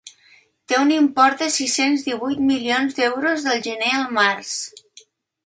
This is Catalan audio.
Té un import de sis-cents divuit milions d’euros del gener al març.